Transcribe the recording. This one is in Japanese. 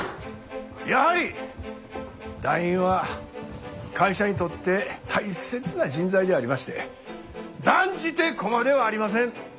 やはり団員は会社にとって大切な人材でありまして断じて駒ではありません。